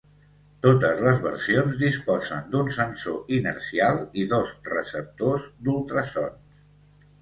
Totes les versions disposen d'un sensor inercial i dos receptors d'ultrasons.